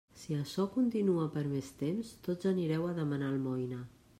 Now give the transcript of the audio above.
Si açò continua per més temps, tots anireu a demanar almoina.